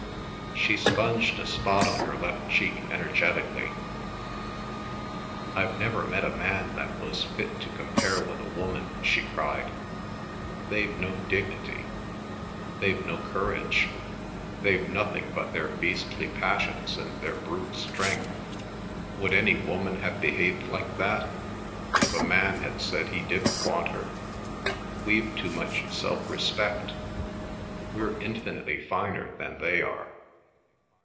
She sponged a spot on her left cheek energetically. "I've never met a man that was fit to compare with a woman!" she cried; "they've no dignity, they've no courage, they've nothing but their beastly passions and their brute strength! Would any woman have behaved like that—if a man had said he didn't want her? We've too much self respect; we're infinitely finer than they are."